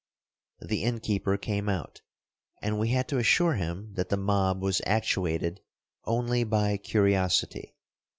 The inn keeper came out, and we had to assure him that the mob was actuated only by curiosity.